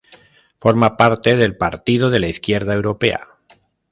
Forma parte del Partido de la Izquierda Europea.